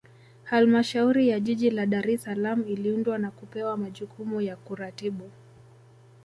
Halmashauri ya Jiji la Dar es Salaam iliundwa na kupewa majukumu ya kuratibu